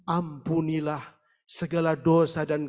ampunilah segala dosa dan kebaikan